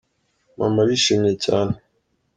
Mama arishimye cyane.